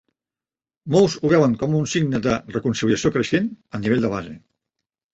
Molts ho veuen com un signe de reconciliació creixent a nivell de base.